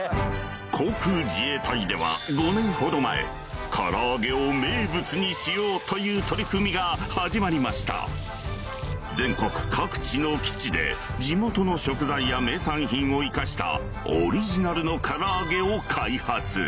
航空自衛隊ではという取り組みが始まりました全国各地の基地で地元の食材や名産品を生かしたオリジナルのからあげを開発